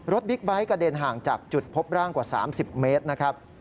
บิ๊กไบท์กระเด็นห่างจากจุดพบร่างกว่า๓๐เมตรนะครับ